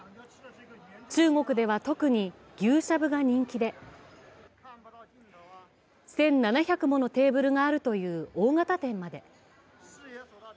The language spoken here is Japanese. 中国では特に牛しゃぶが人気で１７００ものテーブルがあるという大型店まで。